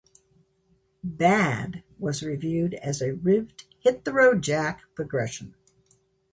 "Bad" was viewed as a rived "Hit the Road Jack" progression.